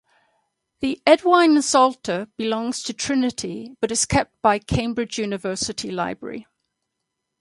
The Eadwine Psalter belongs to Trinity but is kept by Cambridge University Library.